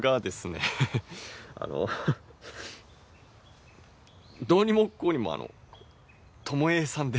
あのどうにもこうにもあの巴さんで。